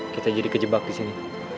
kita jadi kejebak disini